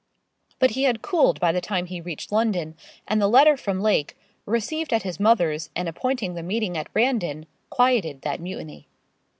But he had cooled by the time he reached London, and the letter from Lake, received at his mother's and appointing the meeting at Brandon, quieted that mutiny.